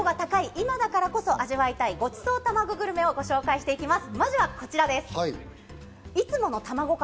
今だからこそ味わいたい、ごちそうたまごグルメをご紹介したいと思います。